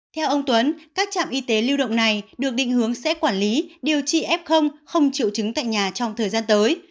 theo ông tuấn các trạm y tế lưu động này được định hướng sẽ quản lý điều trị f không triệu chứng tại nhà trong thời gian tới